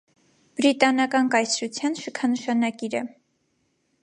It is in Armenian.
Բրիտանական կայսրության շքանշանակիր է։